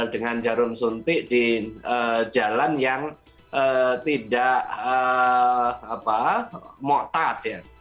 dengan jarum suntik di jalan yang tidak motad ya